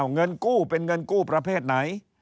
เงินกู้เป็นเงินกู้ประเภทไหน